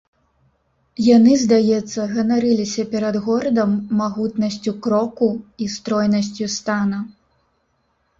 Яны, здаецца, ганарыліся перад горадам магутнасцю кроку і стройнасцю стана.